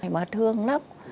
mà thương lắm